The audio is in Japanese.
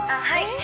はい。